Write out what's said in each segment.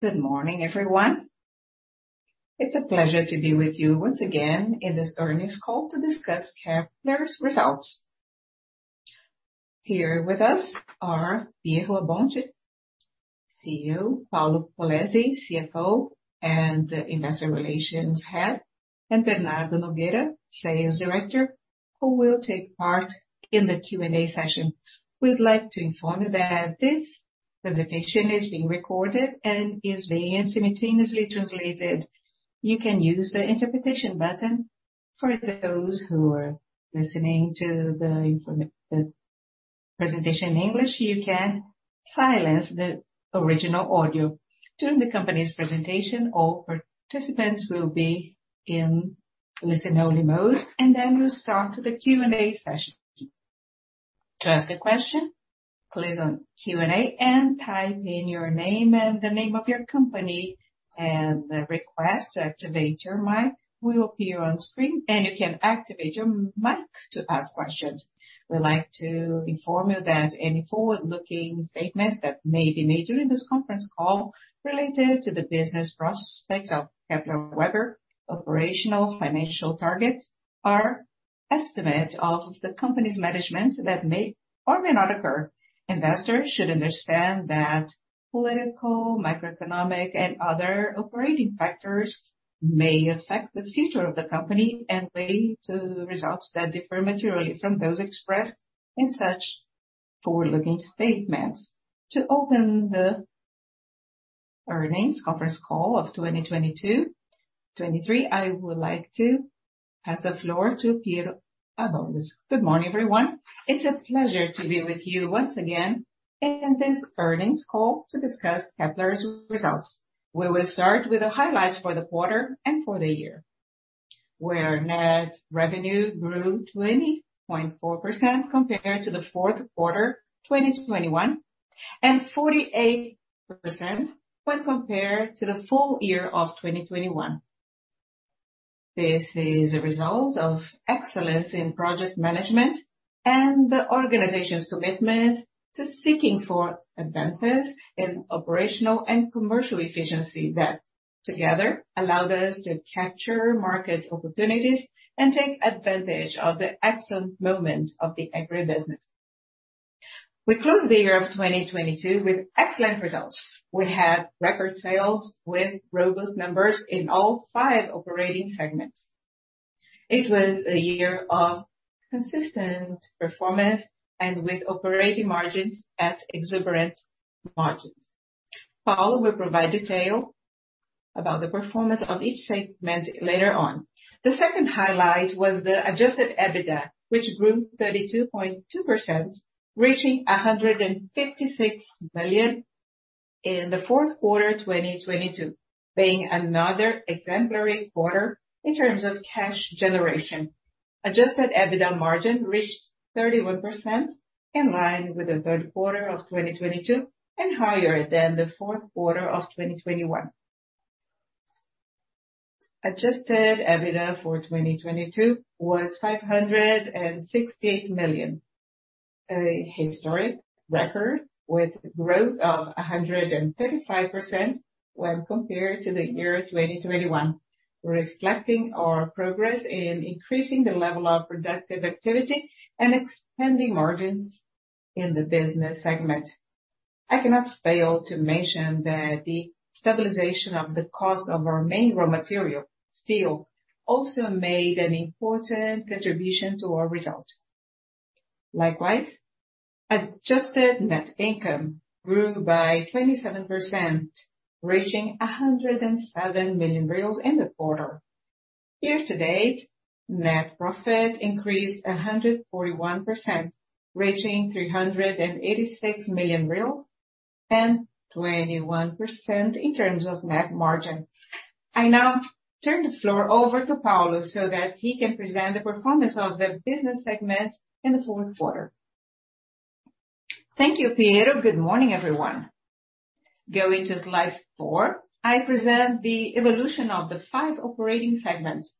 Good morning, everyone. It's a pleasure to be with you once again in this Earnings call to discuss Kepler's results. Here with us are Piero Abbondi, CEO, Paulo Polezi, CFO and Investor Relations Head, and Bernardo Nogueira, Sales Director, who will take part in the Q&A session. We'd like to inform you that this presentation is being recorded and is being simultaneously translated. You can use the interpretation button. For those who are listening to the presentation in English, you can silence the original audio. During the company's presentation, all participants will be in listen-only mode. We'll start the Q&A session. To ask a question, click on Q&A and type in your name and the name of your company. The request to activate your mic will appear on screen. You can activate your mic to ask questions. We'd like to inform you that any forward-looking statement that may be made during this conference call related to the business prospects of Kepler Weber, operational financial targets are estimates of the company's management that may or may not occur. Investors should understand that political, microeconomic, and other operating factors may affect the future of the company and lead to results that differ materially from those expressed in such forward-looking statements. To open the earnings conference call of 2022, 2023, I would like to pass the floor to Piero Abbondi. Good morning, everyone. It's a pleasure to be with you once again in this earnings call to discuss Kepler's results. We will start with the highlights for the quarter and for the year, where net revenue grew 20.4% compared to the fourth quarter 2021, and 48% when compared to the full year of 2021. This is a result of excellence in project management and the organization's commitment to seeking for advances in operational and commercial efficiency that together allowed us to capture market opportunities and take advantage of the excellent moment of the agri-industry. We closed the year of 2022 with excellent results. We had record sales with robust numbers in all five operating segments. It was a year of consistent performance and with operating margins at exuberant margins. Paulo will provide detail about the performance of each segment later on. The second highlight was the adjusted EBITDA, which grew 32.2%, reaching 156 million in the fourth quarter, 2022, being another exemplary quarter in terms of cash generation. Adjusted EBITDA margin reached 31% in line with the third quarter of 2022 and higher than the fourth quarter of 2021. Adjusted EBITDA for 2022 was 568 million, a historic record with growth of 135% when compared to the year 2021, reflecting our progress in increasing the level of productive activity and expanding margins in the business segment. I cannot fail to mention that the stabilization of the cost of our main raw material, steel, also made an important contribution to our results. Likewise, adjusted net income grew by 27%, reaching 107 million in the quarter. Year to date, net profit increased 141%, reaching BRL 386 million and 21% in terms of net margin. I now turn the floor over to Paulo so that he can present the performance of the business segment in the fourth quarter. Thank you, Piero. Good morning, everyone. Going to Slide Four, I present the evolution of the five operating segments.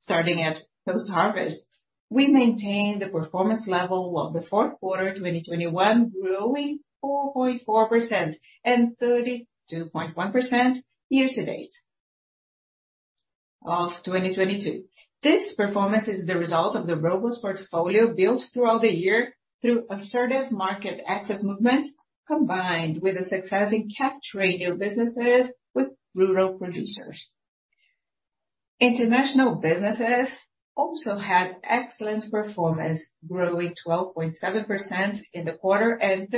Starting at post-harvest, we maintained the performance level of the fourth quarter, 2021, growing 4.4% and 32.1% year to date of 2022. This performance is the result of the robust portfolio built throughout the year through assertive market access movements, combined with the success in capturing new businesses with rural producers. International businesses also had excellent performance, growing 12.7% in the quarter and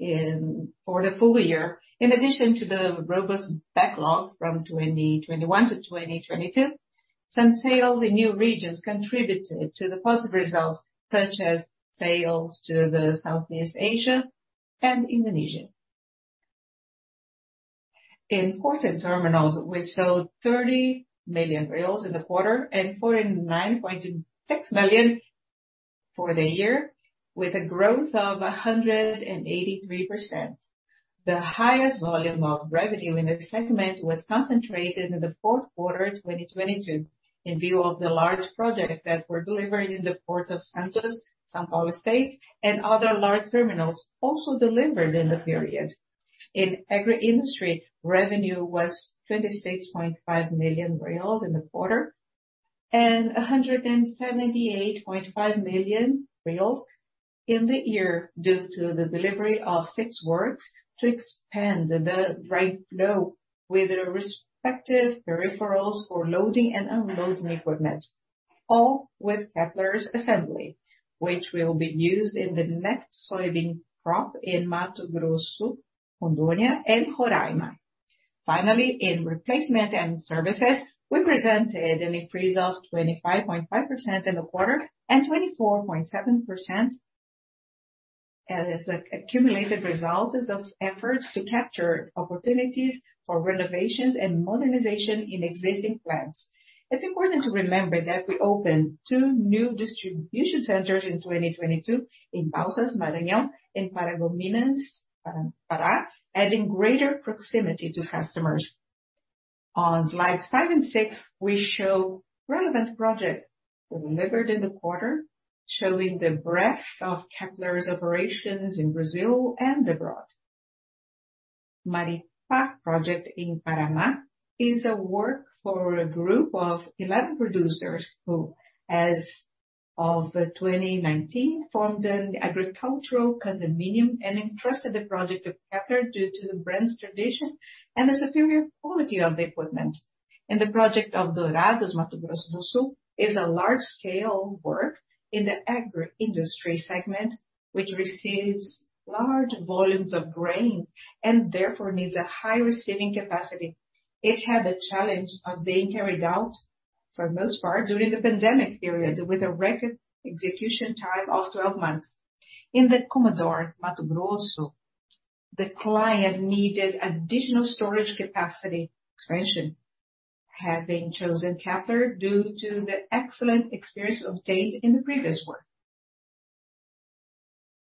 34.8% for the full year. In addition to the robust backlog from 2021 to 2022, some sales in new regions contributed to the positive results, such as sales to the Southeast Asia and Indonesia. In port and terminals, we sold 30 million in the quarter and 49.6 million for the year, with a growth of 183%. The highest volume of revenue in this segment was concentrated in the fourth quarter, 2022, in view of the large projects that were delivered in the Port of Santos, São Paulo State, and other large terminals also delivered in the period. Agri-industry revenue was 26.5 million reais in the quarter and 178.5 million reais in the year, due to the delivery of six works to expand the dry flow with the respective peripherals for loading and unloading equipment, all with Kepler's assembly, which will be used in the next soybean crop in Mato Grosso, Rondônia, and Roraima. In replacement and services, we presented an increase of 25.5% in the quarter and 24.7% as, like, accumulated results of efforts to capture opportunities for renovations and modernization in existing plants. It's important to remember that we opened two new distribution centers in 2022 in Pouso das Maranhão, in Paragominas, Pará, adding greater proximity to customers. On Slides Five and Six, we show relevant projects we delivered in the quarter, showing the breadth of Kepler's operations in Brazil and abroad. Maripá project in Paraná is a work for a group of 11 producers, who as of 2019 formed an agricultural condominium and entrusted the project to Kepler due to the brand's tradition and the superior quality of the equipment. The project of Dourados, Mato Grosso do Sul, is a large-scale work in the agri-industry segment, which receives large volumes of grain and therefore needs a high receiving capacity. It had the challenge of being carried out, for most part, during the pandemic period, with a record execution time of 12 months. In the Comodoro, Mato Grosso, the client needed additional storage capacity expansion, having chosen Kepler due to the excellent experience obtained in the previous work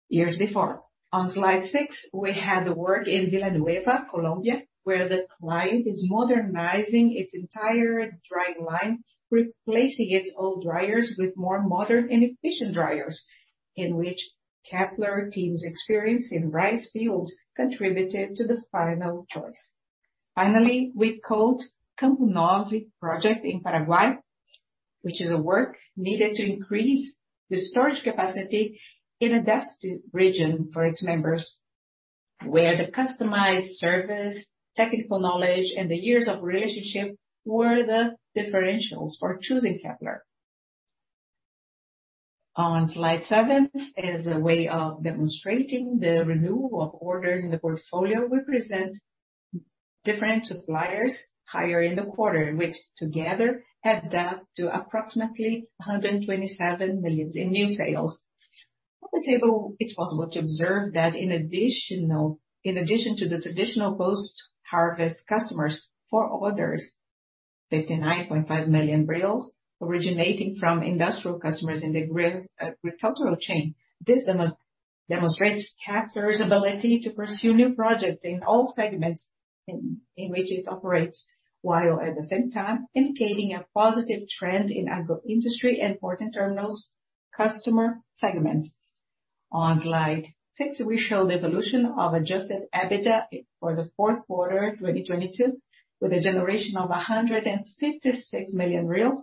years before. On Slide Six, we have the work in Villanueva, Colombia, where the client is modernizing its entire drying line, replacing its old dryers with more modern and efficient dryers, in which Kepler team's experience in rice fields contributed to the final choice. We quote Campo 9 project in Paraguay, which is a work needed to increase the storage capacity in a dusty region for its members, where the customized service, technical knowledge, and the years of relationship were the differentials for choosing Kepler. On slide seven, as a way of demonstrating the renewal of orders in the portfolio, we present different suppliers higher in the quarter, which together add up to approximately 127 million in new sales. On the table, it's possible to observe that in addition to the traditional post-harvest customers for orders, 59.5 million originating from industrial customers in the agricultural chain. This demonstrates Kepler's ability to pursue new projects in all segments in which it operates, while at the same time indicating a positive trend in agro-industry and port terminals customer segments. On Slide Six, we show the evolution of adjusted EBITDA for the fourth quarter 2022, with a generation of 156 million reais,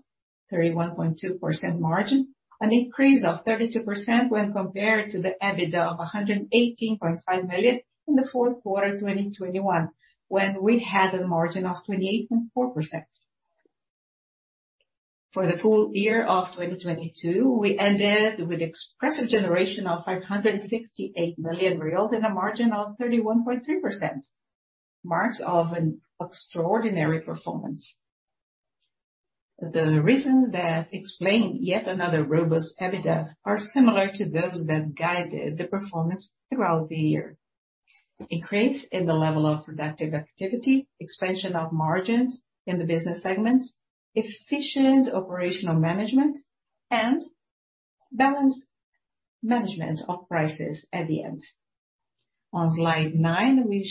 31.2% margin, an increase of 32% when compared to the EBITDA of 118.5 million in the fourth quarter 2021, when we had a margin of 28.4%. For the full year of 2022, we ended with expressive generation of 568 million reais in a margin of 31.3%, marks of an extraordinary performance. The reasons that explain yet another robust EBITDA are similar to those that guided the performance throughout the year. Increase in the level of productive activity, expansion of margins in the business segments, efficient operational management, and balanced management of prices at the end. On Slide Nine, we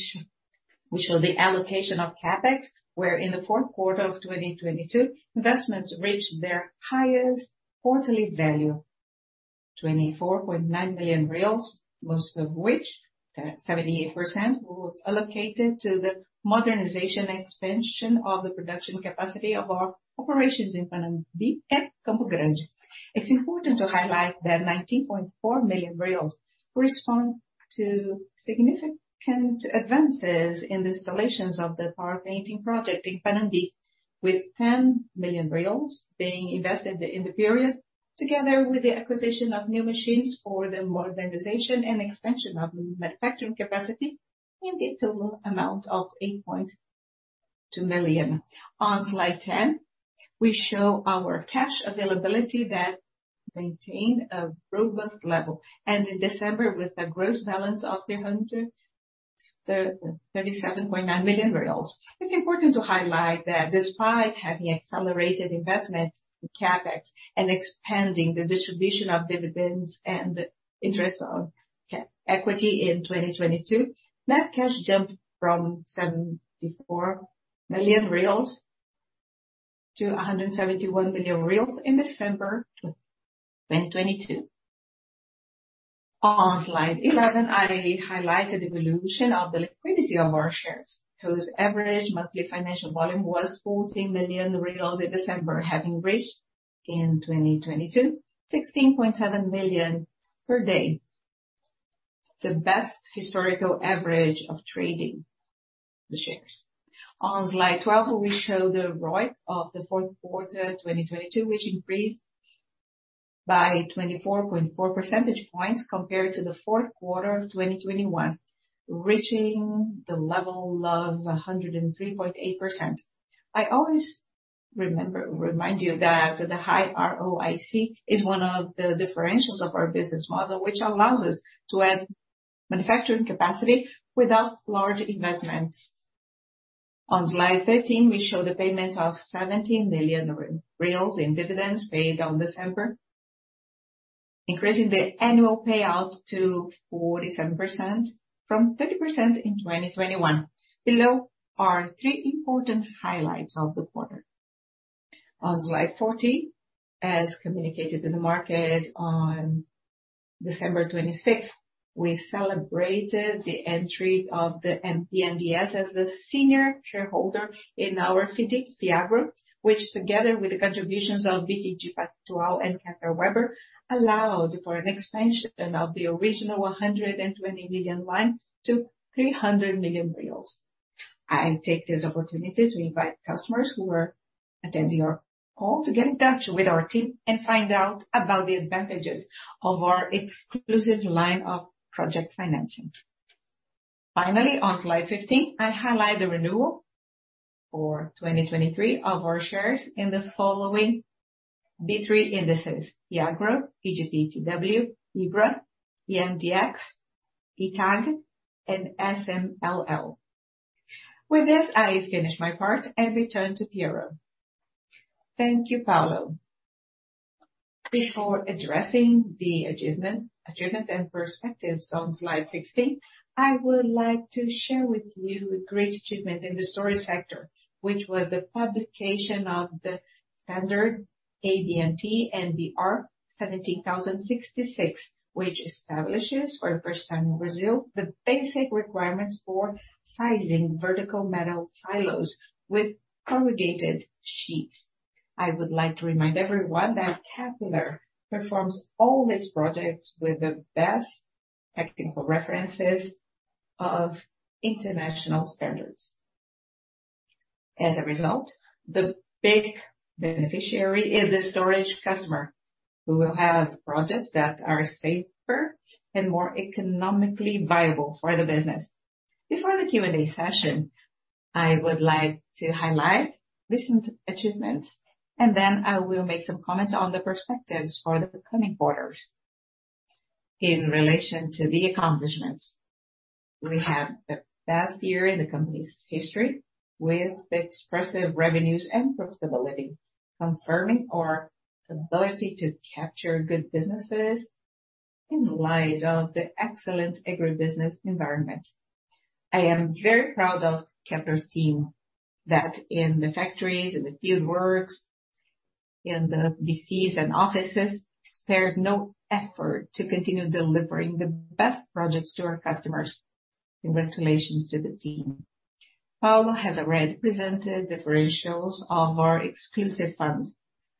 show the allocation of CapEx, where in the fourth quarter of 2022, investments reached their highest quarterly value, 24.9 million reais, most of which, 78%, was allocated to the modernization and expansion of the production capacity of our operations in Panambi and Campo Grande. It's important to highlight that 19.4 million reais correspond to significant advances in the installations of the powder painting project in Panambi, with 10 million reais being invested in the period, together with the acquisition of new machines for the modernization and expansion of manufacturing capacity in the total amount of 8.2 million. On Slide 10, we show our cash availability that maintained a robust level. In December, with a gross balance of BRL 337.9 million. It's important to highlight that despite having accelerated investments in CapEx and expanding the distribution of dividends and interest on equity in 2022, net cash jumped from 74 million reais to 171 million reais in December 2022. On Slide 11, I highlighted the evolution of the liquidity of our shares, whose average monthly financial volume was 14 million reais in December, having reached in 2022, 16.7 million per day. The best historical average of trading the shares. On Slide 12, we show the ROIC of the fourth quarter 2022, which increased by 24.4 percentage points compared to the fourth quarter of 2021, reaching the level of 103.8%. I always remind you that the high ROIC is one of the differentials of our business model, which allows us to add manufacturing capacity without large investments. On Slide 13, we show the payment of 17 million reais in dividends paid on December, increasing the annual payout to 47% from 30% in 2021. Below are 3 important highlights of the quarter. On Slide 14, as communicated to the market on December 26, we celebrated the entry of the BNDES as the senior shareholder in our FIDC Fiagro, which together with the contributions of BTG Pactual and Kepler Weber, allowed for an expansion of the original 120 million line to 300 million reais. I take this opportunity to invite customers who are attending our call to get in touch with our team and find out about the advantages of our exclusive line of project financing. Finally, on Slide 15, I highlight the renewal for 2023 of our shares in the following B3 indices: IAGRO, IGPTW, IBRA, IMDX, ITAG, and SMLL. With this, I finish my part and return to Piero. Thank you, Paulo. Before addressing the achievement and perspectives on Slide 16, I would like to share with you a great achievement in the storage sector, which was the publication of the standard ABNT NBR 17066, which establishes for the first time in Brazil the basic requirements for sizing vertical metal silos with corrugated sheets. I would like to remind everyone that Kepler performs all its projects with the best technical references of international standards. As a result, the big beneficiary is the storage customer, who will have projects that are safer and more economically viable for the business. Before the Q&A session, I would like to highlight recent achievements, and then I will make some comments on the perspectives for the coming quarters. In relation to the accomplishments, we have the best year in the company's history with expressive revenues and profitability, confirming our ability to capture good businesses in light of the excellent agribusiness environment. I am very proud of Kepler's team, that in the factories, in the field works, in the DCs and offices, spared no effort to continue delivering the best projects to our customers. Congratulations to the team. Paulo has already presented the differentials of our exclusive funds.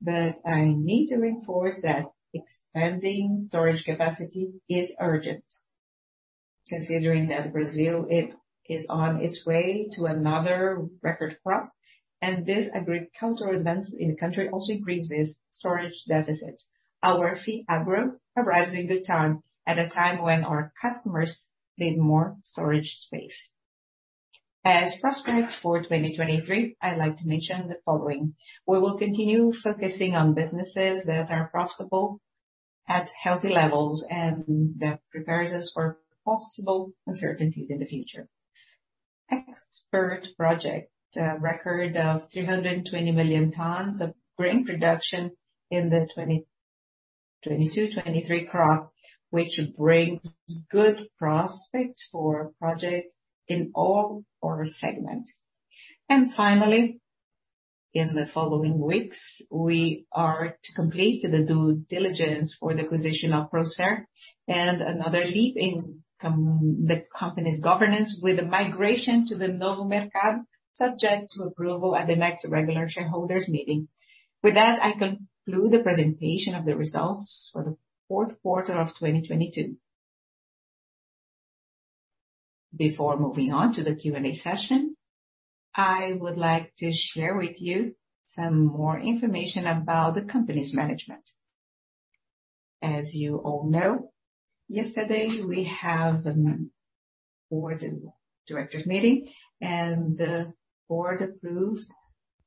I need to reinforce that expanding storage capacity is urgent. Considering that Brazil is on its way to another record crop. This agricultural event in the country also increases storage deficits. Our Fiagro arrives in good time, at a time when our customers need more storage space. Prospects for 2023, I like to mention the following. We will continue focusing on businesses that are profitable at healthy levels, that prepares us for possible uncertainties in the future. Experts project a record of 320 million tons of grain production in the 2022, 2023 crop, which brings good prospects for projects in all our segments. Finally, in the following weeks, we are to complete the due diligence for the acquisition of Procer and another leap in the company's governance with a migration to the Novo Mercado, subject to approval at the next regular shareholders meeting. With that, I conclude the presentation of the results for the fourth quarter of 2022. Before moving on to the Q&A session, I would like to share with you some more information about the company's management. As you all know, yesterday we have the Board of Directors meeting, and the board approved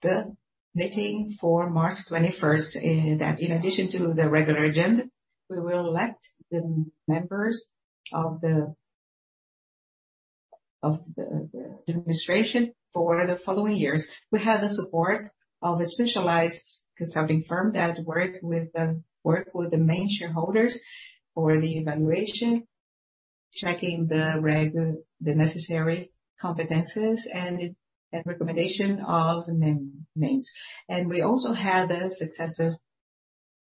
the meeting for March 21st, that in addition to the regular agenda, we will elect the members of the administration for the following years. We have the support of a specialized consulting firm that work with the main shareholders for the evaluation the necessary competences and recommendation of names. We also have a successor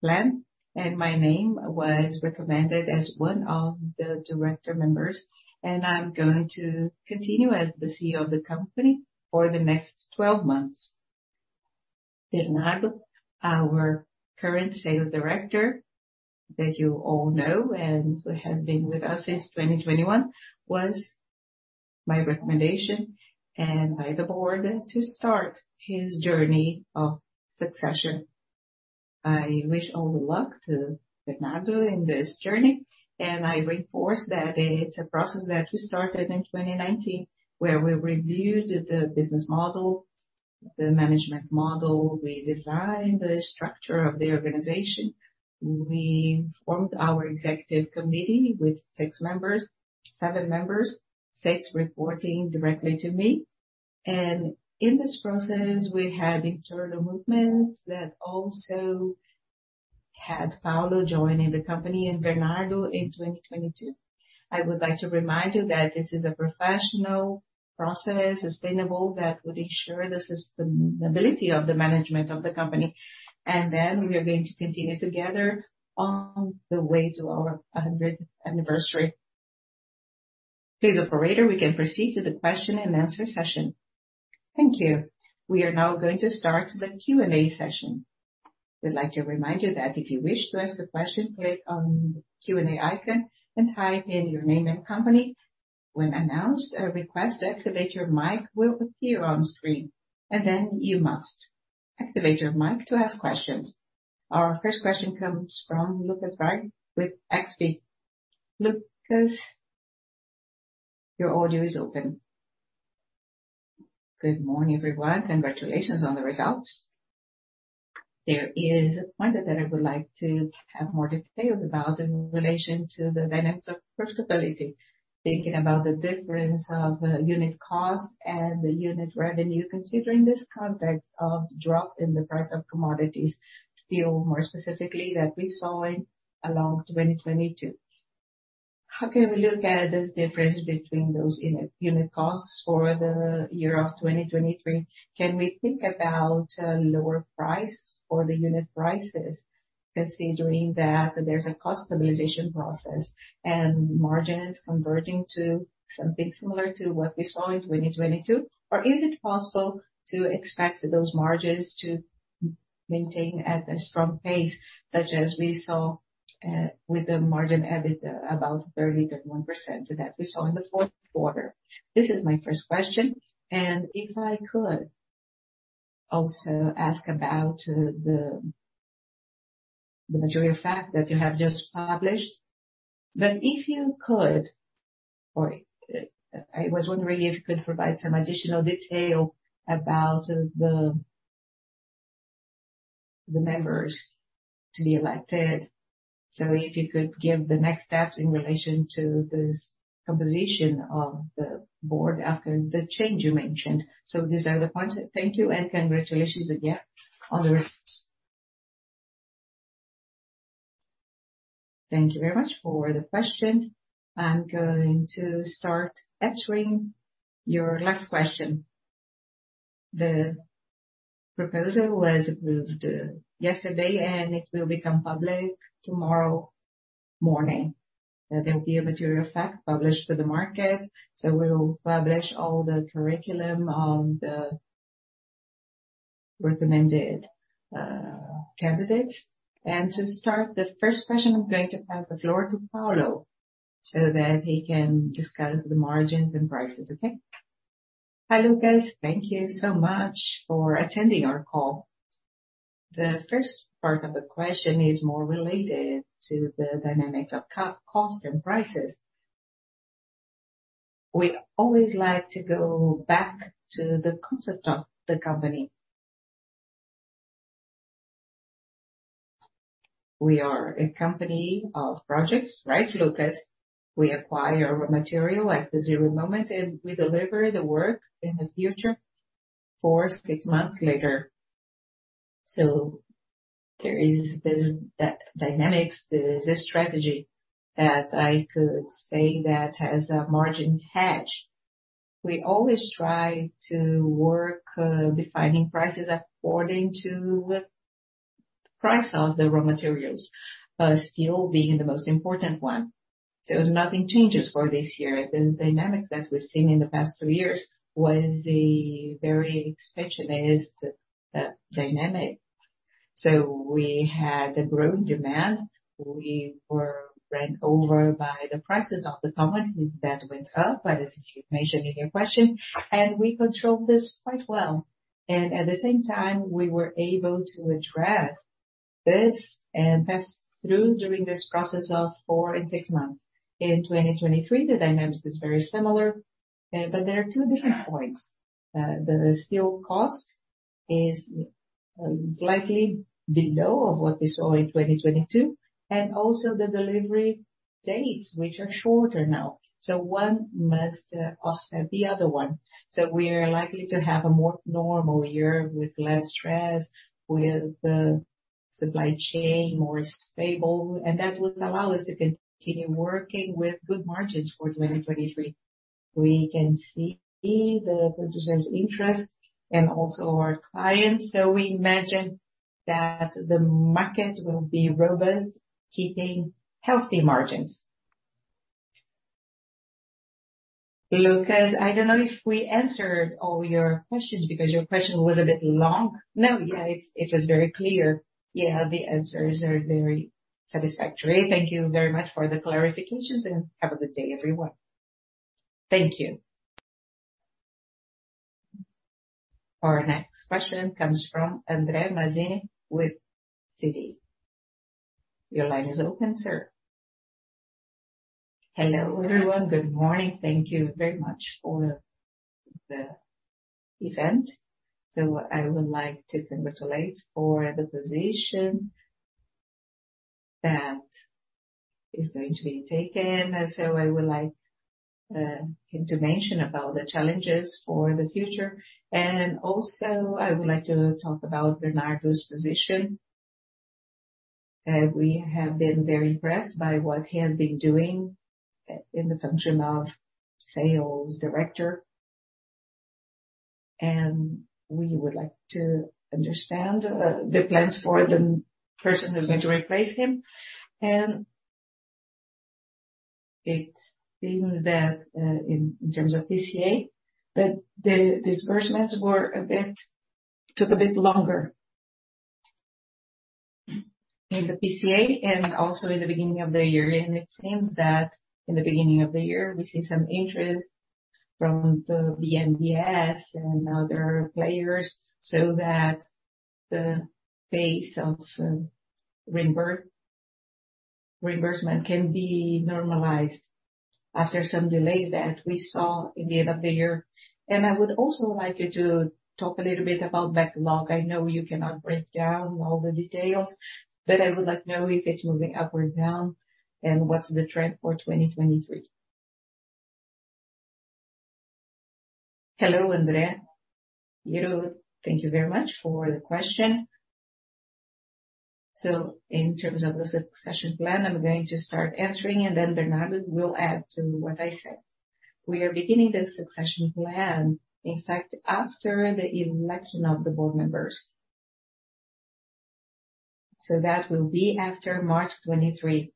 plan, and my name was recommended as one of the director members, and I'm going to continue as the CEO of the company for the next 12 months. Bernardo, our current Sales Director, that you all know and has been with us since 2021, was my recommendation and by the board to start his journey of succession. I wish all the luck to Bernardo in this journey. I reinforce that it's a process that we started in 2019, where we reviewed the business model, the management model. We designed the structure of the organization. We formed our executive committee with six members, seven members, six reporting directly to me. In this process, we had internal movements that also had Paulo Polezi joining the company and Bernardo in 2022. I would like to remind you that this is a professional process, sustainable, that would ensure the sustainability of the management of the company. We are going to continue together on the way to our 100 anniversary. Please, Operator, we can proceed to the question and answer session. Thank you. We are now going to start the Q&A session. We'd like to remind you that if you wish to ask a question, click on Q&A icon and type in your name and company. When announced, a request to activate your mic will appear on screen, and then you must activate your mic to ask questions. Our first question comes from Lucas Barros with XP. Lucas, your audio is open. Good morning, everyone. Congratulations on the results. There is a point that I would like to have more detail about in relation to the dynamics of profitability. Thinking about the difference of unit cost and the unit revenue, considering this context of drop in the price of commodities, steel more specifically, that we saw in along 2022. How can we look at this difference between those unit costs for the year of 2023? Can we think about a lower price for the unit prices, considering that there's a cost stabilization process and margin is converging to something similar to what we saw in 2022? Or is it possible to expect those margins to maintain at a strong pace, such as we saw with the margin EBITDA about 31% that we saw in the fourth quarter? This is my first question. If I could also ask about the material fact that you have just published. I was wondering if you could provide some additional detail about the members to be elected. If you could give the next steps in relation to this composition of the board after the change you mentioned. These are the points. Thank you and congratulations again on the results. Thank you very much for the question. I'm going to start answering your last question. The proposal was approved yesterday. It will become public tomorrow morning. There will be a material fact published to the market. We will publish all the curriculum of the recommended candidates. To start the first question, I'm going to pass the floor to Paulo so that he can discuss the margins and prices. Okay. Hi, Lucas. Thank you so much for attending our call. The first part of the question is more related to the dynamics of co-cost and prices. We always like to go back to the concept of the company. We are a company of projects, right, Lucas? We acquire material at the zero moment. We deliver the work in the future, four, six months later. There is that dynamics, there's a strategy that I could say that has a margin hedge. We always try to work, defining prices according to price of the raw materials, steel being the most important one. Nothing changes for this year. Those dynamics that we've seen in the past two years was a very expansionist dynamic. We had a growing demand. We were ran over by the prices of the commodities that went up, as you mentioned in your question, and we controlled this quite well. At the same time, we were able to address this and pass through during this process of four and six months. In 2023, the dynamics is very similar, but there are two different points. The steel cost is slightly below of what we saw in 2022, and also the delivery dates, which are shorter now. One must offset the other one. We are likely to have a more normal year with less stress, with the supply chain more stable, and that would allow us to continue working with good margins for 2023. We can see the producer's interest and also our clients. We imagine that the market will be robust, keeping healthy margins. Lucas, I don't know if we answered all your questions because your question was a bit long. No. It's, it was very clear. The answers are very satisfactory. Thank you very much for the clarifications, and have a good day, everyone. Thank you. Our next question comes from André Mazzini with Citi. Your line is open, sir. Hello, everyone. Good morning. Thank you very much for the event. I would like to congratulate for the position that is going to be taken. I would like him to mention about the challenges for the future. Also, I would like to talk about Bernardo's position. We have been very impressed by what he has been doing in the function of sales director. We would like to understand the plans for the person who's going to replace him. It seems that, in terms of PCA, that the disbursements were a bit longer. In the PCA and also in the beginning of the year. It seems that in the beginning of the year, we see some interest from the BNDES and other players, so that the pace of reimbursement can be normalized after some delays that we saw in the end of the year. I would also like you to talk a little bit about backlog. I know you cannot break down all the details, but I would like to know if it's moving up or down and what's the trend for 2023. Hello, André. Piero, thank you very much for the question. In terms of the succession plan, I'm going to start answering and then Bernardo will add to what I said. We are beginning the succession plan, in fact, after the election of the board members. That will be after March 23.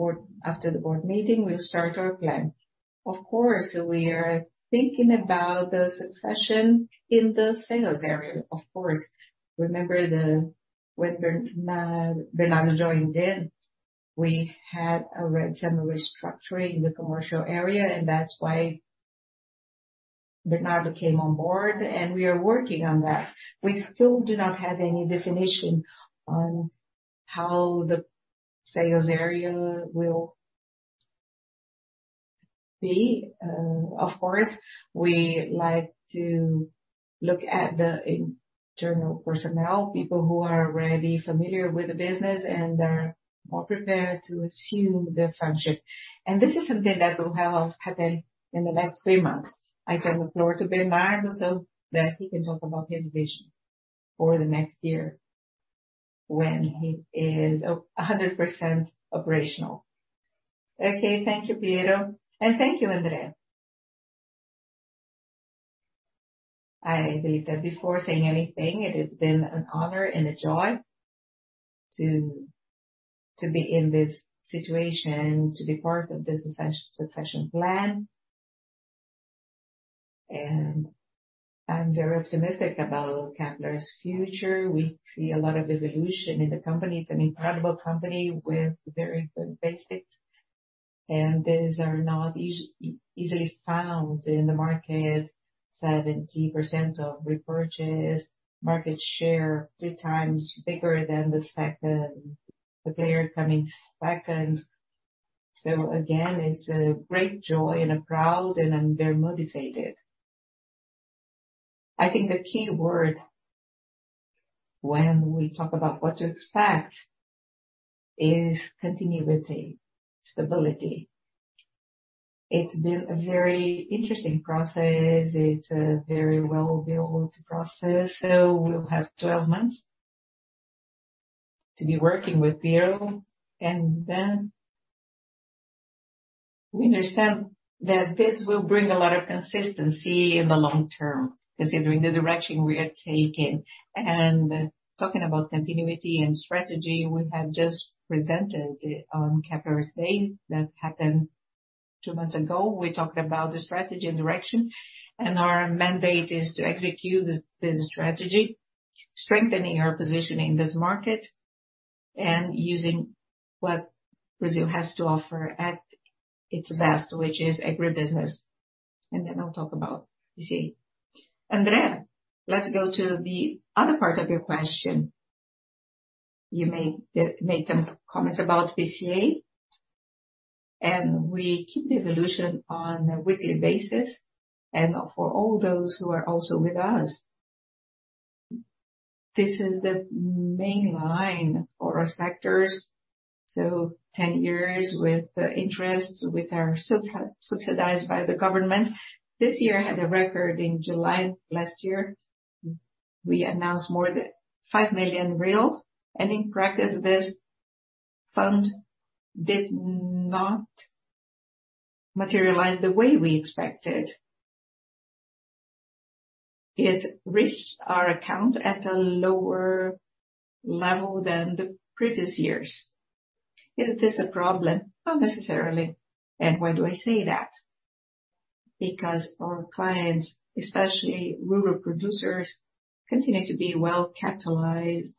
After the board meeting, we'll start our plan. Of course, we are thinking about the succession in the sales area, of course. Remember when Bernardo joined in, we had a general restructuring in the commercial area, and that's why Bernardo came on board, and we are working on that. We still do not have any definition on how the sales area will be. Of course, we like to look at the internal personnel, people who are already familiar with the business and are more prepared to assume the function. This is something that will have happened in the next 3 months. I turn the floor to Bernardo so that he can talk about his vision for the next year when he is 100% operational. Okay. Thank you, Piero. Thank you, André. Hi, Rita. Before saying anything, it has been an honor and a joy to be in this situation, to be part of this succession plan. I'm very optimistic about Kepler's future. We see a lot of evolution in the company. It's an incredible company with very good basics, and these are not easily found in the market. 70% of repurchase, market share 3x bigger than the player coming second. Again, it's a great joy and I'm proud, and I'm very motivated. I think the key word when we talk about what to expect is continuity, stability. It's been a very interesting process. It's a very well-built process. We'll have 12 months to be working with Piero, we understand that this will bring a lot of consistency in the long term, considering the direction we are taking. Talking about continuity and strategy, we have just presented it on Kepler Day. That happened two months ago. We talked about the strategy and direction, our mandate is to execute this strategy, strengthening our position in this market and using what Brazil has to offer at its best, which is agribusiness. I'll talk about BCA. André, let's go to the other part of your question. You made some comments about BCA, we keep the evolution on a weekly basis. For all those who are also with us, this is the main line for our sectors. 10 years with the interests, with our subsidized by the government. This year had a record in July. Last year, we announced more than 5 million. In practice, this fund did not materialize the way we expected. It reached our account at a lower level than the previous years. Is this a problem? Not necessarily. Why do I say that? Because our clients, especially rural producers, continue to be well-capitalized.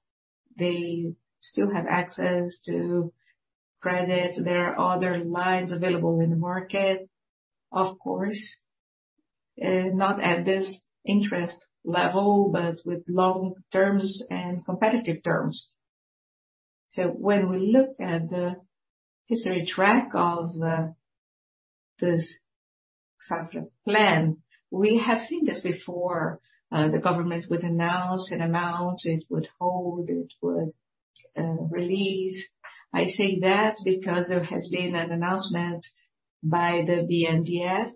They still have access to credit. There are other lines available in the market. Of course, not at this interest level, but with long terms and competitive terms. When we look at the history track of the, this Plano Safra, we have seen this before. The government would announce an amount, it would hold, it would release. I say that because there has been an announcement by the BNDES,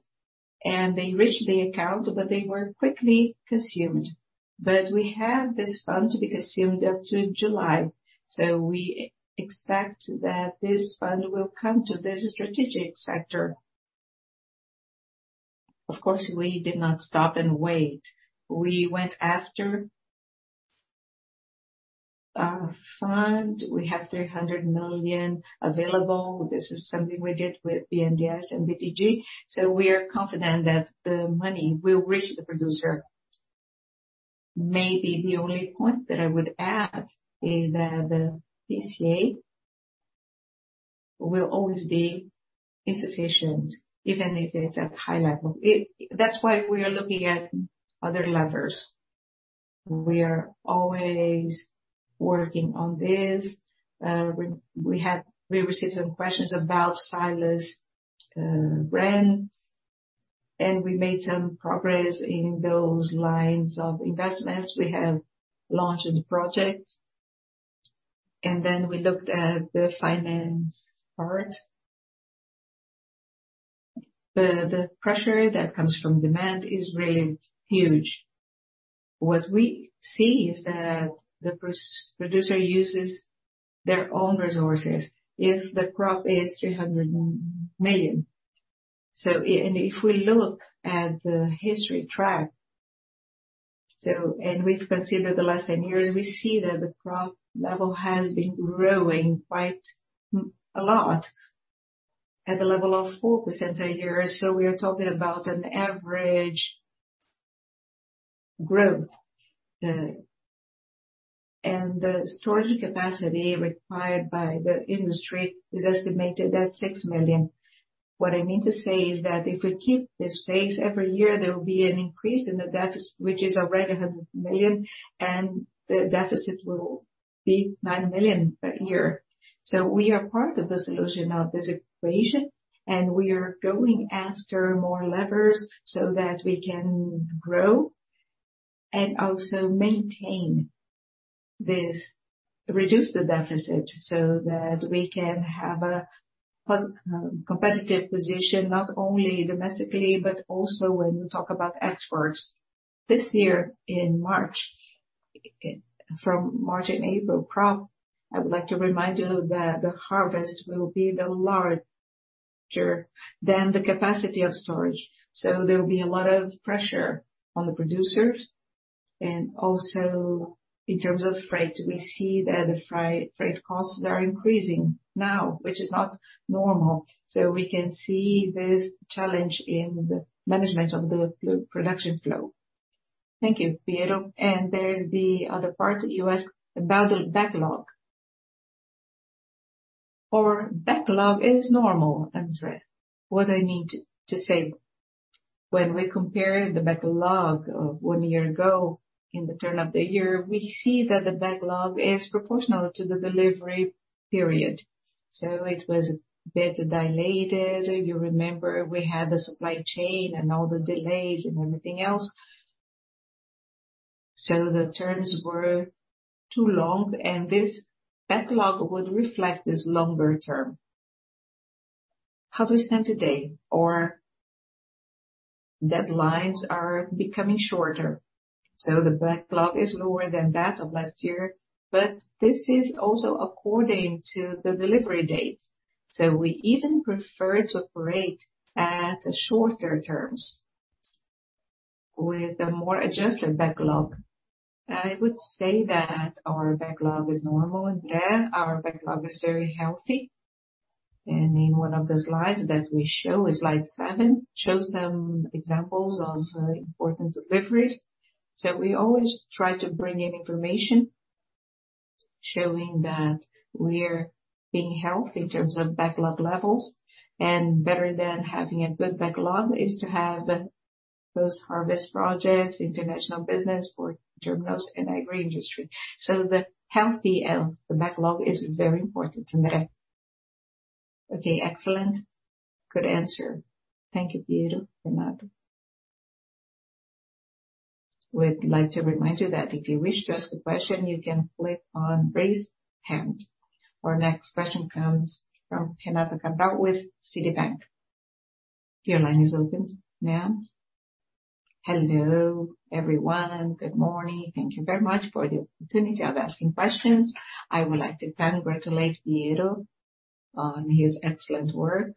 and they reached the account, but they were quickly consumed. We have this fund to be consumed up to July. We expect that this fund will come to this strategic sector. Of course, we did not stop and wait. We went after our fund. We have 300 million available. This is something we did with BNDES and BTG. We are confident that the money will reach the producer. Maybe the only point that I would add is that the PCA will always be insufficient, even if it's at high level. That's why we are looking at other levers. We are always working on this. We received some questions about Silos brand, and we made some progress in those lines of investments. We have launched the project, and then we looked at the finance part. The pressure that comes from demand is really huge. What we see is that the producer uses their own resources if the crop is 300 million. If we look at the history track, and we've considered the last 10 years, we see that the crop level has been growing quite a lot at the level of 4% a year. We are talking about an average growth, and the storage capacity required by the industry is estimated at 6 million. What I mean to say is that if we keep this pace, every year, there will be an increase in the deficit, which is already 100 million, and the deficit will be 9 million a year. We are part of the solution of this equation, and we are going after more levers so that we can grow and also maintain this. Reduce the deficit so that we can have a competitive position, not only domestically, but also when we talk about exports. This year in March, from March and April crop, I would like to remind you that the harvest will be the larger than the capacity of storage. There will be a lot of pressure on the producers. Also, in terms of freight, we see that the freight costs are increasing now, which is not normal. We can see this challenge in the management of the production flow. Thank you, Piero. There's the other part you asked about the backlog. Our backlog is normal, Andre. What I mean to say, when we compare the backlog of one year ago in the turn of the year, we see that the backlog is proportional to the delivery period. It was a bit dilated. If you remember, we had the supply chain and all the delays and everything else. The terms were too long, and this backlog would reflect this longer term. How do we stand today? Our deadlines are becoming shorter, the backlog is lower than that of last year. This is also according to the delivery date, we even prefer to operate at shorter terms with a more adjusted backlog. I would say that our backlog is normal, Andre. Our backlog is very healthy. In one of the slides that we show, is Slide Seven, shows some examples of important deliveries. We always try to bring in information showing that we're being healthy in terms of backlog levels. Better than having a good backlog is to have post-harvest projects, international business for diagnostics and agri-industry. The healthy, the backlog is very important, André. Okay, excellent. Good answer. Thank you, Piero, Bernardo. We'd like to remind you that if you wish to ask a question, you can click on Raise Hand. Our next question comes from Renata Cabral with Citibank. Your line is open now. Hello everyone. Good morning. Thank you very much for the opportunity of asking questions. I would like to congratulate Piero on his excellent work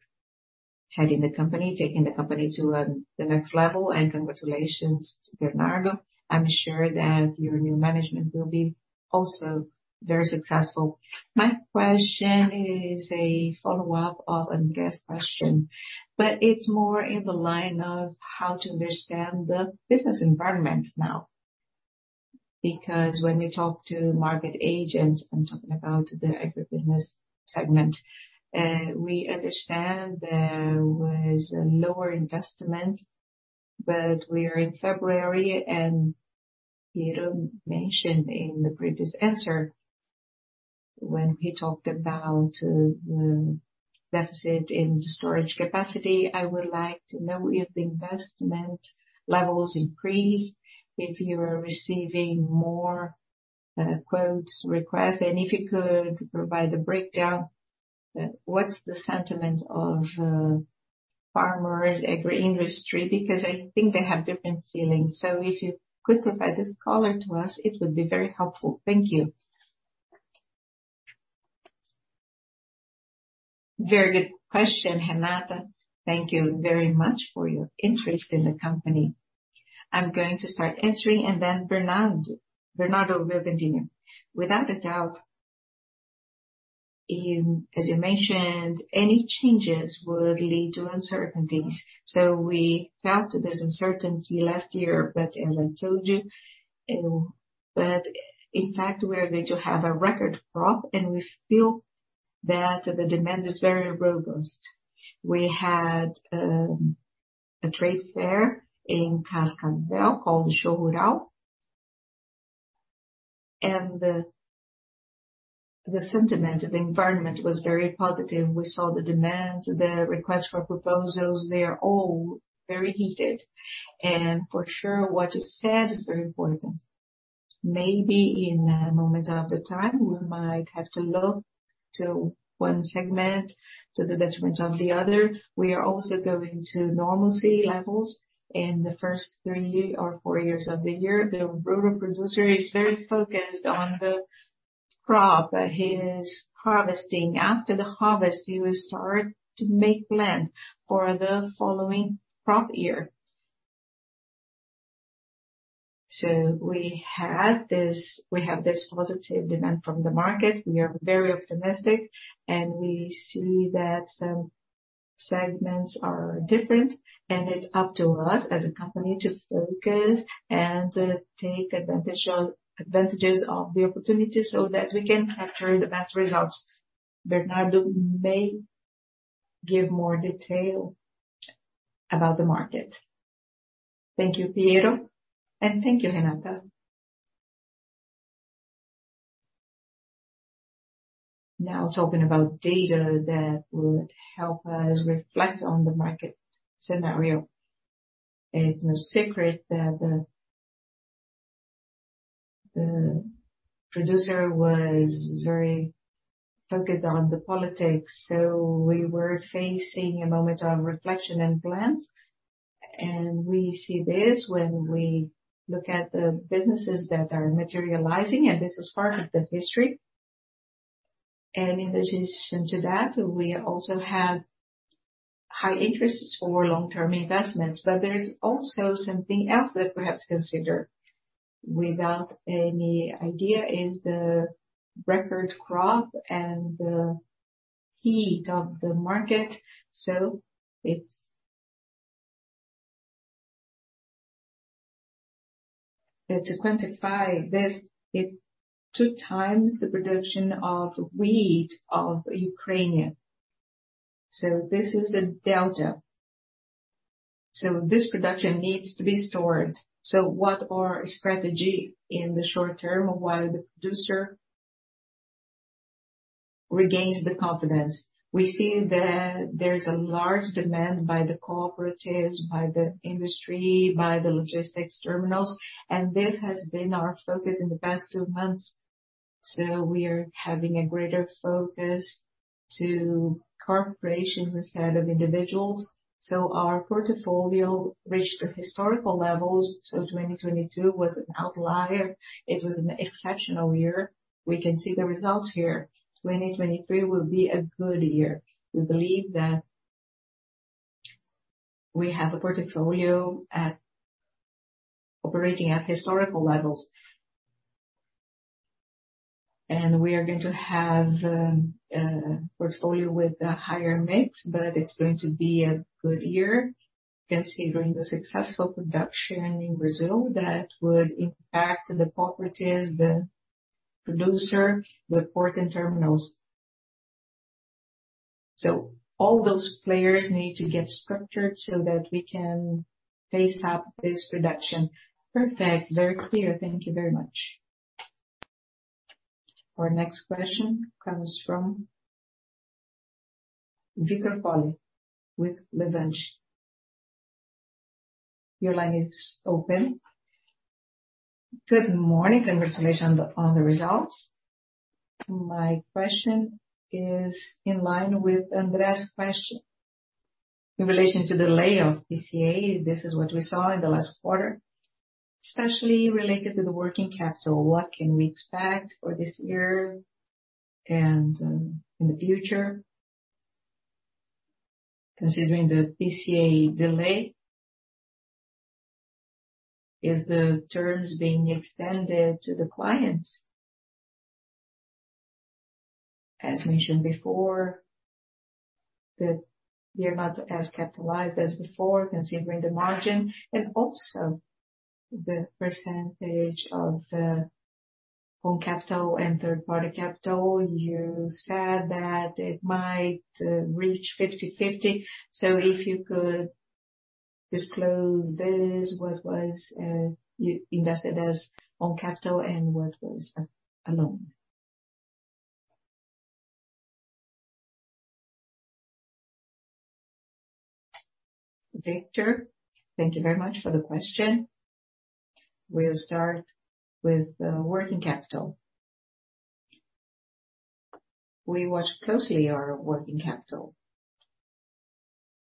heading the company, taking the company to the next level. Congratulations to Bernardo. I'm sure that your new management will be also very successful. My question is a follow-up of André's question. It's more in the line of how to understand the business environment now. When we talk to market agents, I'm talking about the agribusiness segment, we understand there was a lower investment. We are in February and Piero mentioned in the previous answer when he talked about the deficit in storage capacity. I would like to know if the investment levels increased, if you are receiving more quotes requests, and if you could provide a breakdown, what's the sentiment of farmers, agri-industry. I think they have different feelings. If you could provide this color to us, it would be very helpful. Thank you. Very good question, Renata. Thank you very much for your interest in the company. I'm going to start answering then Bernardo will continue. Without a doubt, as you mentioned, any changes would lead to uncertainty. We felt this uncertainty last year. As I told you, that in fact we are going to have a record crop and we feel that the demand is very robust. We had a trade fair in Cascavel called the Show Rural, and the sentiment of the environment was very positive. We saw the demand, the request for proposals, they are all very heated. For sure what you said is very important. Maybe in a moment of the time, we might have to look to one segment to the detriment of the other. We are also going to normalcy levels in the first three or four years of the year. The rural producer is very focused on the crop that he is harvesting. After the harvest, he will start to make plans for the following crop year. We have this positive demand from the market. We are very optimistic and we see that some segments are different and it's up to us as a company to focus and take advantages of the opportunity so that we can capture the best results. Bernardo may give more detail about the market. Thank you, Piero. Thank you, Renata. Now talking about data that would help us reflect on the market scenario. It's no secret that the producer was very focused on the politics, we were facing a moment of reflection and plans. We see this when we look at the businesses that are materializing, and this is part of the history. In addition to that, we also have high interest for long-term investments. There is also something else that perhaps consider without any idea is the record crop and the heat of the market. To quantify this, it's 2x the production of wheat of Ukraine. This is a delta. This production needs to be stored. What our strategy in the short term, while the producer regains the confidence. We see that there's a large demand by the cooperatives, by the industry, by the logistics terminals, and this has been our focus in the past two months. We are having a greater focus to corporations instead of individuals. Our portfolio reached historical levels. 2022 was an outlier. It was an exceptional year. We can see the results here. 2023 will be a good year. We believe that we have a portfolio operating at historical levels. We are going to have a portfolio with a higher mix, but it's going to be a good year considering the successful production in Brazil that would impact the cooperatives, the producer, the port and terminals. All those players need to get structured so that we can face up this production. Perfect. Very clear. Thank you very much. Our next question comes from Vitor Polli with Levante. Your line is open. Good morning, congratulations on the results. My question is in line with Andre's question. In relation to the layout of BCA, this is what we saw in the last quarter, especially related to the working capital. What can we expect for this year and in the future considering the BCA delay? Is the terms being extended to the clients as mentioned before, that they are not as capitalized as before considering the margin and also the percentage of own capital and third-party capital. You said that it might reach 50/50. If you could disclose this, what was you invested as own capital and what was alone. Vitor, thank you very much for the question. We'll start with working capital. We watch closely our working capital.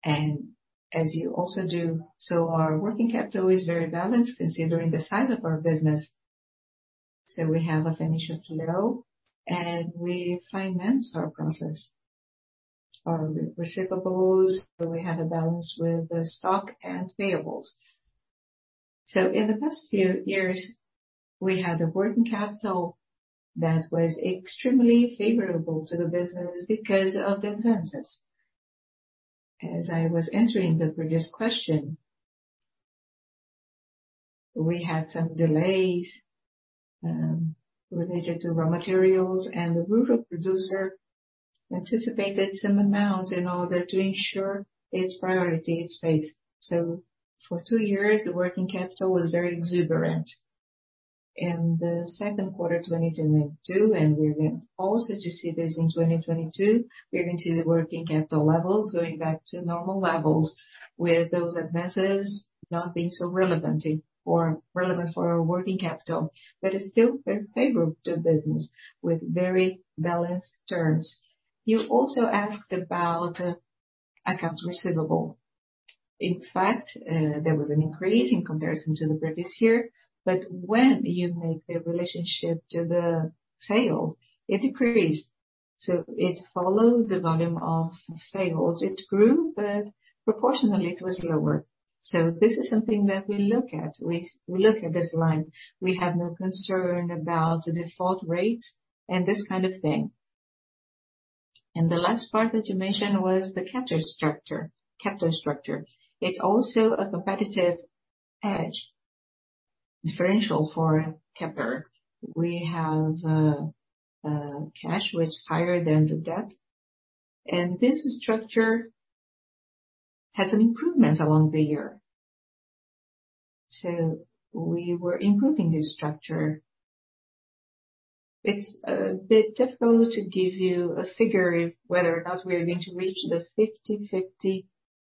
As you also do, our working capital is very balanced considering the size of our business. We have a financial flow and we finance our process, our receivables. We have a balance with the stock and payables. In the past few years, we had a working capital that was extremely favorable to the business because of the advances. As I was answering the previous question, we had some delays related to raw materials. The rural producer anticipated some amounts in order to ensure its priority, its space. For two years, the working capital was very exuberant. In the second quarter, 2022, we're going also to see this in 2022, we're going to the working capital levels going back to normal levels with those advances not being so relevant or relevant for our working capital. It's still very favorable to business with very balanced terms. You also asked about accounts receivable. In fact, there was an increase in comparison to the previous year. When you make the relationship to the sales, it decreased. It followed the volume of sales. It grew. Proportionately it was lower. This is something that we look at. We look at this line. We have no concern about the default rates and this kind of thing. The last part that you mentioned was the capital structure. It's also a competitive edge differential for Kepler. We have cash which is higher than the debt. This structure has an improvement along the year. We were improving this structure. It's a bit difficult to give you a figure if whether or not we are going to reach the 50/50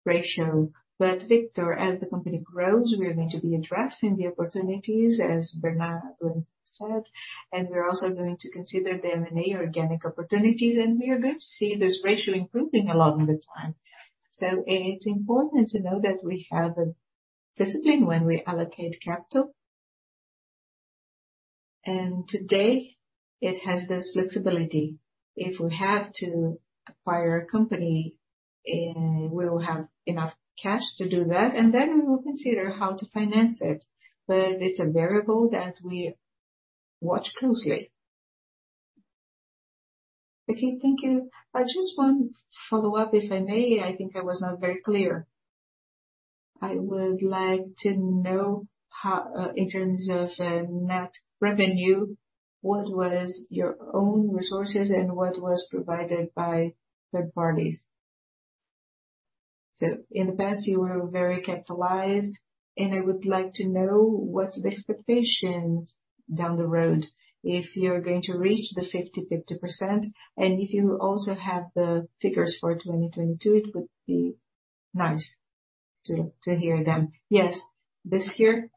ratio. Vitor, as the company grows, we are going to be addressing the opportunities as Bernardo said. We're also going to consider the M&A organic opportunities. We are going to see this ratio improving along the time. It's important to know that we have a discipline when we allocate capital. Today it has this flexibility. We have to acquire a company, we will have enough cash to do that, and then we will consider how to finance it. It's a variable that we watch closely. Okay, thank you. I just want follow up, if I may. I think I was not very clear. I would like to know how, in terms of net revenue, what was your own resources and what was provided by third parties. In the past you were very capitalized, and I would like to know what's the expectation down the road, if you're going to reach the 50/50%. If you also have the figures for 2022, it would be nice to hear them. Yes. This year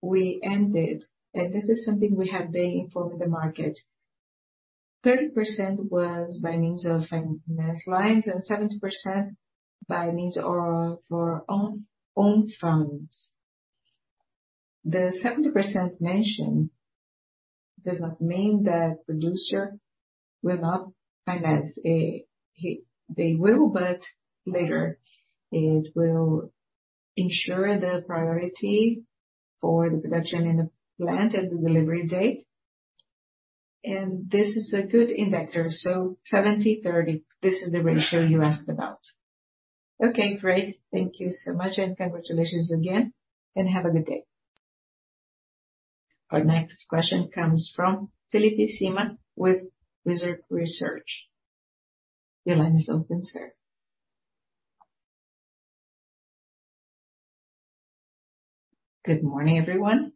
we ended, this is something we have been informing the market. 30% was by means of finance lines and 70% by means or for own funds. The 70% mentioned does not mean that producer will not finance. They will, but later. It will ensure the priority for the production in the plant and the delivery date. This is a good indicator. 70/30, this is the ratio you asked about. Okay, great. Thank you so much, and congratulations again, and have a good day. Our next question comes from Felipe Simões with Wizard Research. Your line is open, sir. Good morning, everyone.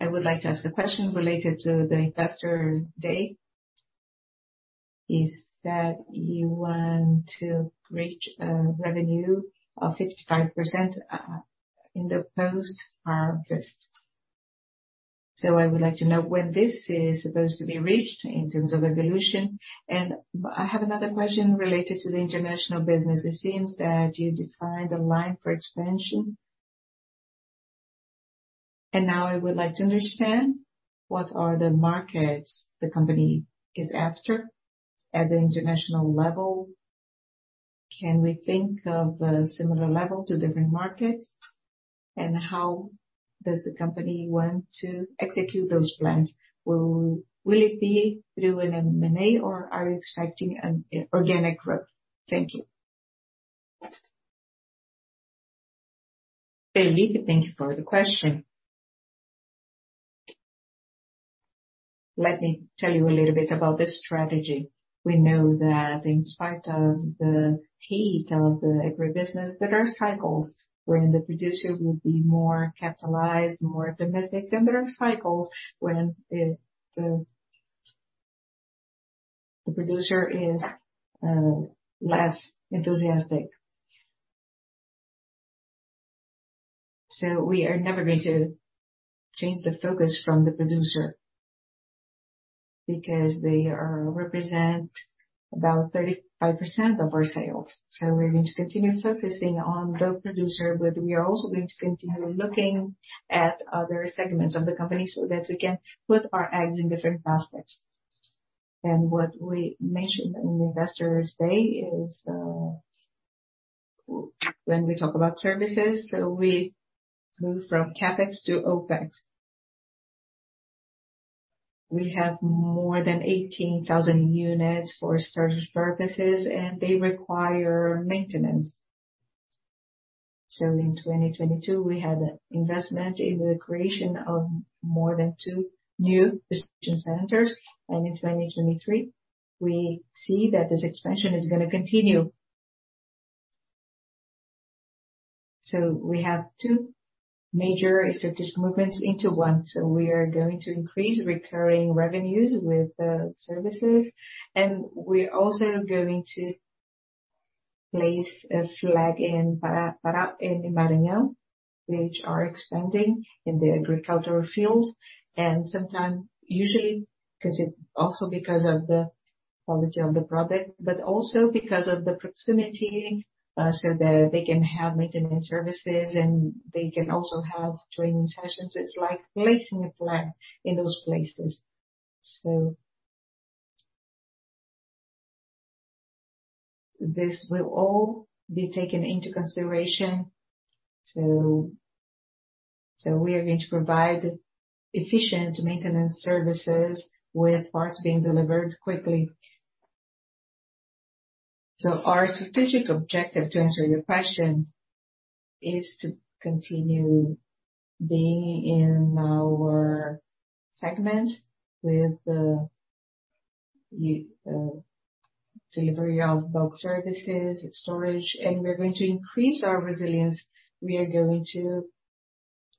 I would like to ask a question related to the Kepler Day. Is that you want to reach revenue of 55% in the post-harvest. I would like to know when this is supposed to be reached in terms of evolution. I have another question related to the international business. It seems that you defined a line for expansion. Now I would like to understand what are the markets the company is after at the international level. Can we think of a similar level to different markets? How does the company want to execute those plans? Will it be through an M&A or are you expecting an organic growth? Thank you. Filipe, thank you for the question. Let me tell you a little bit about this strategy. We know that in spite of the heat of the agribusiness, there are cycles when the producer will be more capitalized, more optimistic, and there are cycles when the producer is less enthusiastic. We are never going to change the focus from the producer because they represent about 35% of our sales. We're going to continue focusing on the producer, but we are also going to continue looking at other segments of the company so that we can put our eggs in different baskets. What we mentioned in the Kepler Day is, when we talk about services. We move from CapEx to OpEx. We have more than 18,000 units for storage purposes, and they require maintenance. In 2022, we had an investment in the creation of more than two new distribution centers. In 2023, we see that this expansion is gonna continue. We have two major strategic movements into one. We are going to increase recurring revenues with the services, and we're also going to place a flag in Pará, in Maranhão, which are expanding in the agricultural field. Usually also because of the quality of the product, but also because of the proximity, so that they can have maintenance services and they can also have training sessions. It's like placing a flag in those places. This will all be taken into consideration. We are going to provide efficient maintenance services with parts being delivered quickly. Our strategic objective, to answer your question, is to continue being in our segment with the delivery of bulk services storage, and we're going to increase our resilience. We are going to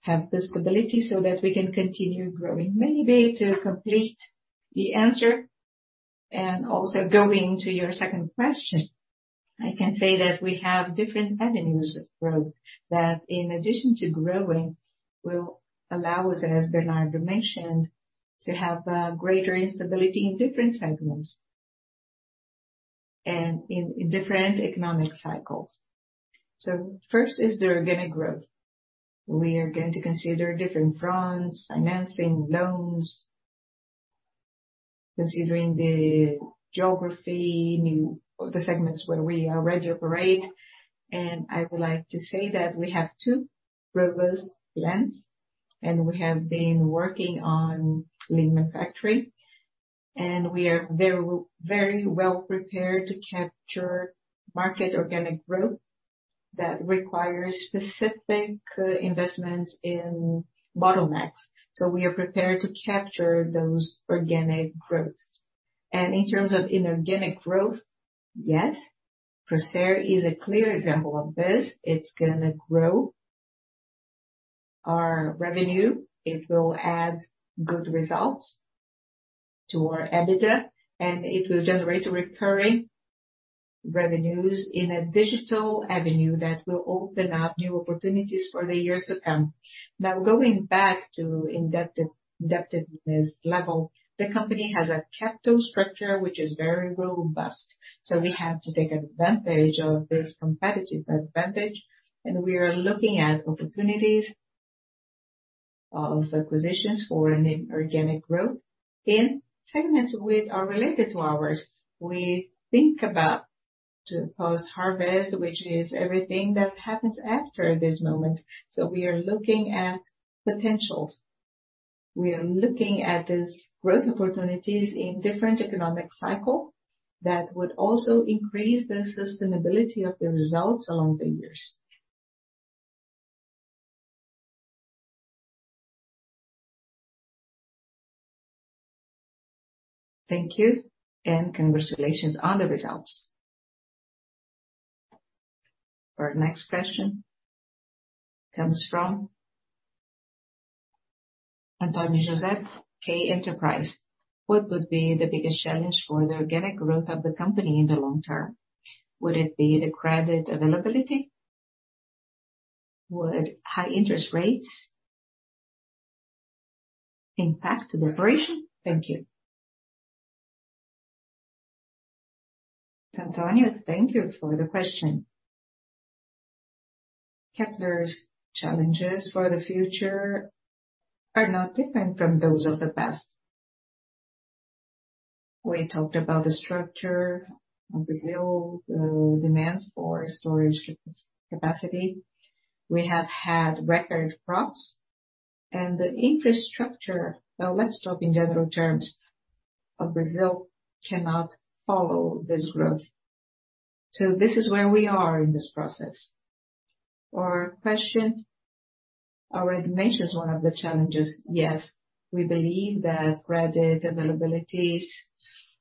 have this stability so that we can continue growing. To complete the answer and also going to your second question, I can say that we have different avenues of growth that in addition to growing, will allow us, as Bernardo mentioned, to have greater instability in different segments and in different economic cycles. First is the organic growth. We are going to consider different fronts, financing loans, considering the geography, the segments where we already operate. I would like to say that we have two robust plans, and we have been working on Panambi factory, and we are very well prepared to capture market organic growth that requires specific investments in bottlenecks. We are prepared to capture those organic growths. In terms of inorganic growth, yes, Prosper is a clear example of this. It's gonna grow our revenue. It will add good results to our EBITDA. It will generate recurring revenues in a digital avenue that will open up new opportunities for the years to come. Going back to indebtedness level, the company has a capital structure which is very robust. We have to take advantage of this competitive advantage. We are looking at opportunities of acquisitions for an inorganic growth in segments which are related to ours. We think about post-harvest, which is everything that happens after this moment. We are looking at potentials. We are looking at these growth opportunities in different economic cycle that would also increase the sustainability of the results along the years. Thank you, congratulations on the results. Our next question comes from Antônio Carvalho, Gap Asset Management. What would be the biggest challenge for the organic growth of the company in the long term? Would it be the credit availability? Would high interest rates impact the operation? Thank you. Antônio, thank you for the question. Kepler's challenges for the future are not different from those of the past. We talked about the structure of Brazil, the demand for storage capacity. We have had record crops and the infrastructure. Let's talk in general terms of Brazil cannot follow this growth. This is where we are in this process. Our question already mentions one of the challenges. Yes, we believe that credit availability is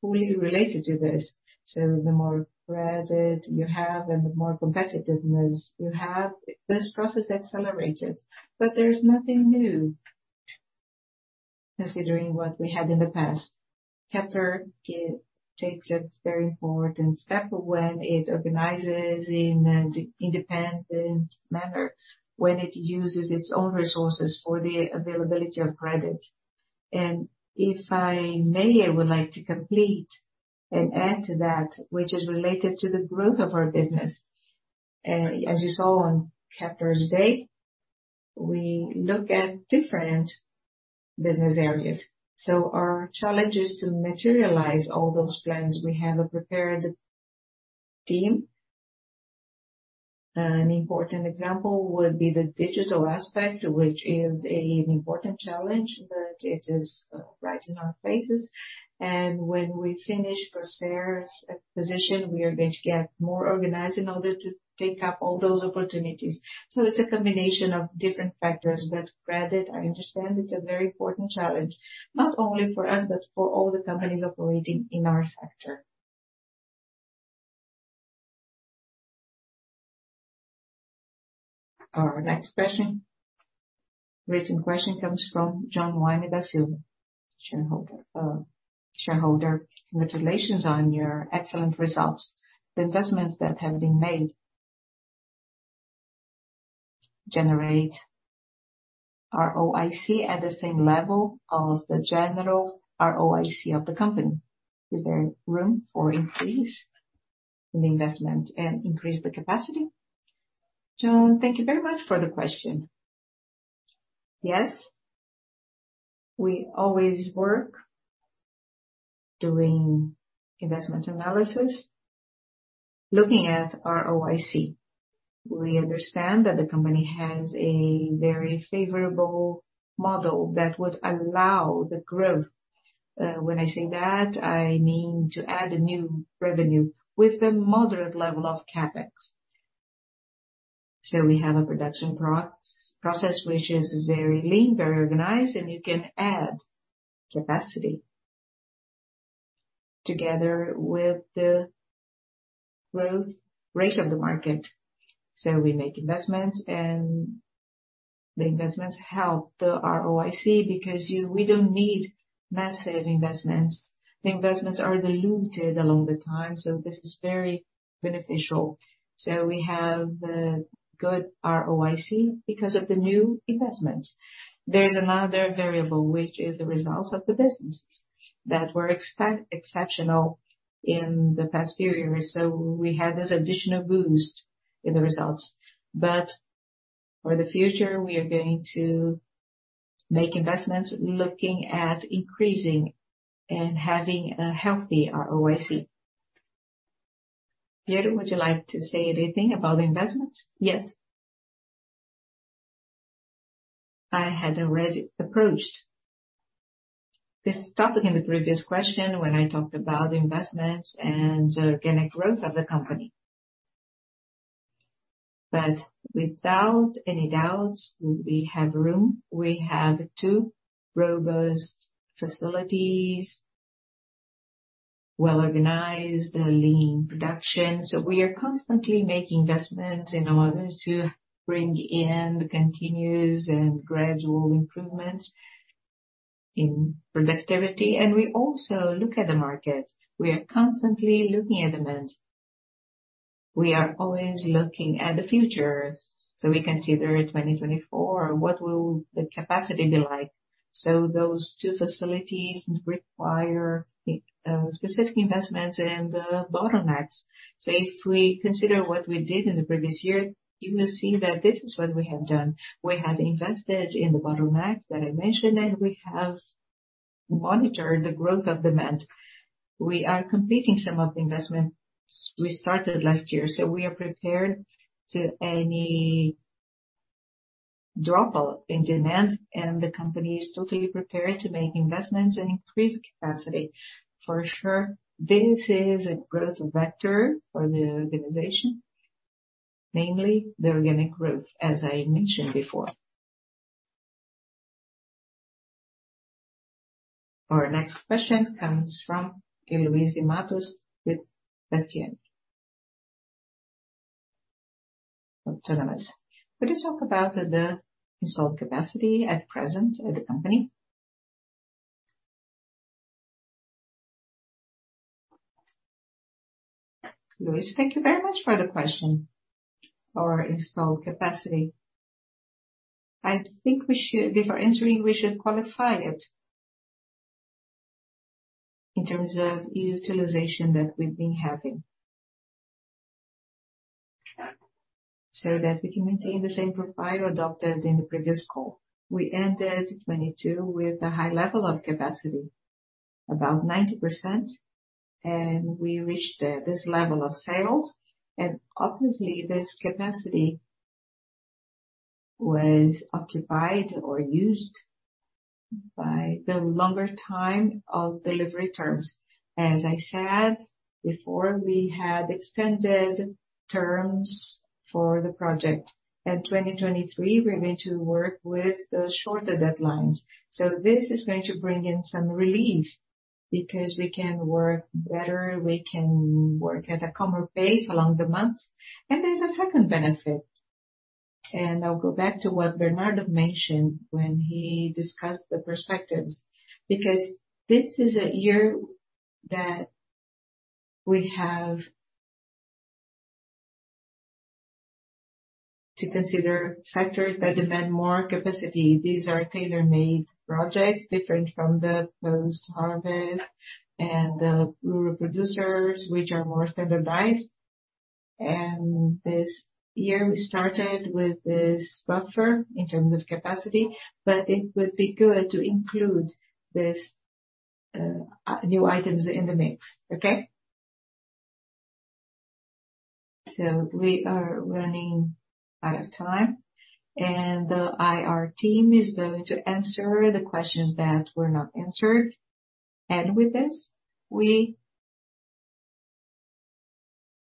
fully related to this. The more credit you have and the more competitiveness you have, this process accelerates. There's nothing new considering what we had in the past. Kepler takes a very important step when it organizes in an independent manner, when it uses its own resources for the availability of credit. If I may, I would like to complete and add to that which is related to the growth of our business. As you saw on Kepler Day, we look at different business areas. Our challenge is to materialize all those plans. We have a prepared team. An important example would be the digital aspect, which is an important challenge, but it is right in our faces. When we finish Procer's acquisition, we are going to get more organized in order to take up all those opportunities. It's a combination of different factors. Credit, I understand it's a very important challenge not only for us but for all the companies operating in our sector. Our next written question comes from João Piccioni, shareholder. Congratulations on your excellent results. The investments that have been made generate ROIC at the same level of the general ROIC of the company. Is there room for increase in investment and increase the capacity? John, thank you very much for the question. Yes, we always work doing investment analysis, looking at ROIC. We understand that the company has a very favorable model that would allow the growth. When I say that, I mean to add a new revenue with the moderate level of CapEx. We have a production process which is very lean, very organized, and you can add capacity together with the growth rate of the market. We make investments and the investments help the ROIC because we don't need massive investments. The investments are diluted along the time, this is very beneficial. We have the good ROIC because of the new investments. There's another variable, which is the results of the businesses that were exceptional in the past few years. We had this additional boost in the results. For the future we are going to make investments looking at increasing and having a healthy ROIC. Piero, would you like to say anything about the investments? Yes. I had already approached this topic in the previous question when I talked about investments and organic growth of the company. Without any doubts, we have room. We have two robust facilities, well organized, lean production. We are constantly making investments in order to bring in continuous and gradual improvements in productivity. We also look at the market. We are constantly looking at demand. We are always looking at the future. We consider 2024, what will the capacity be like? Those two facilities require specific investments and bottlenecks. If we consider what we did in the previous year, you will see that this is what we have done. We have invested in the bottlenecks that I mentioned, and we have monitored the growth of demand. We are completing some of the investments we started last year. We are prepared to any drop in demand, and the company is totally prepared to make investments and increase capacity. For sure, this is a growth vector for the organization, namely the organic growth, as I mentioned before. Our next question comes from Louise Mattos with 13 autonomous. Could you talk about the installed capacity at present at the company? Louise, thank you very much for the question. Our installed capacity, I think before answering, we should qualify it in terms of utilization that we've been having. That we can maintain the same profile adopted in the previous call. We ended 2022 with a high level of capacity, about 90%, and we reached this level of sales. Obviously this capacity was occupied or used by the longer time of delivery terms. As I said before, we had extended terms for the project. In 2023 we're going to work with the shorter deadlines. This is going to bring in some relief because we can work better, we can work at a calmer pace along the months. There's a second benefit, and I'll go back to what Bernardo mentioned when he discussed the perspectives. This is a year that we have to consider sectors that demand more capacity. These are tailor-made projects different from the post-harvest and the rural producers, which are more standardized. This year we started with this buffer in terms of capacity, but it would be good to include these new items in the mix, okay? We are running out of time, and the IR team is going to answer the questions that were not answered. With this, we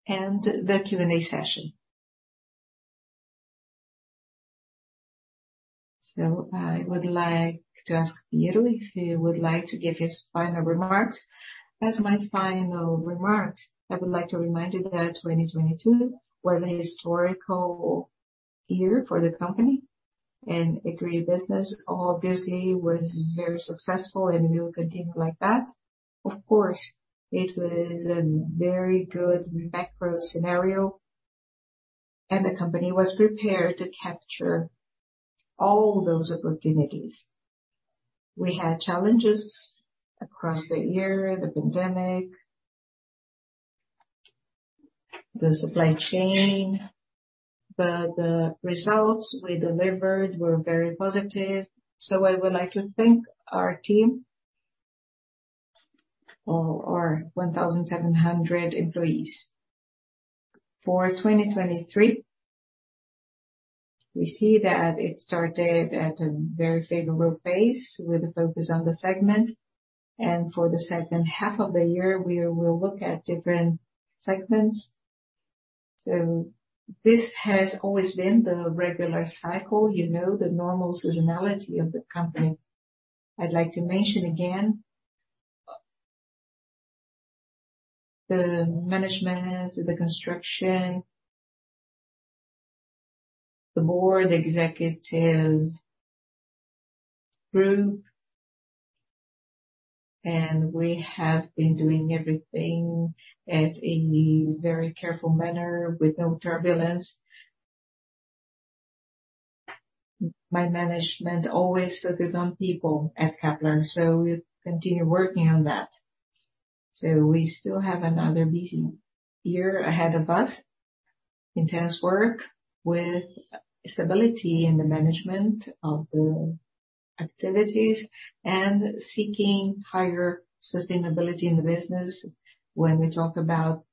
end the Q&A session. I would like to ask Piero if he would like to give his final remarks. As my final remarks, I would like to remind you that 2022 was a historical year for the company. Agri business obviously was very successful and will continue like that. Of course, it was a very good macro scenario, and the company was prepared to capture all those opportunities. We had challenges across the year, the pandemic, the supply chain, but the results we delivered were very positive. I would like to thank our team, all our 1,700 employees. For 2023, we see that it started at a very favorable pace with a focus on the segment. For the second half of the year we will look at different segments. This has always been the regular cycle, you know, the normal seasonality of the company. I'd like to mention again the management, the construction, the board executive group. We have been doing everything at a very careful manner with no turbulence. My management always focus on people at Klabin, so we'll continue working on that. We still have another busy year ahead of us. Intense work with stability in the management of the activities and seeking higher sustainability in the business when we talk about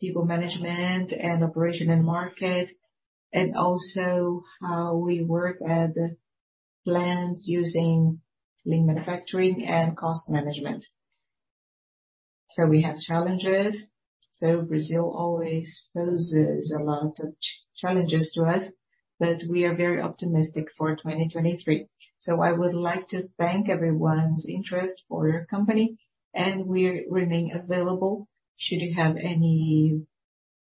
people management and operation and market, and also how we work at the plants using lean manufacturing and cost management. We have challenges. Brazil always poses a lot of challenges to us, but we are very optimistic for 2023. I would like to thank everyone's interest for your company. We remain available should you have any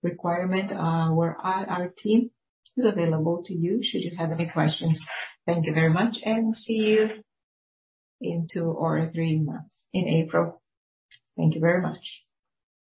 requirement, our IR team is available to you should you have any questions. Thank you very much, and see you in two or three months, in April. Thank you very much.